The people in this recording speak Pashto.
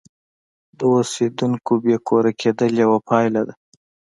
د اوسیدونکو بې کوره کېدل یوه پایله ده.